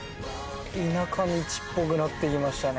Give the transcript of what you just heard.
田舎道っぽくなってきましたね。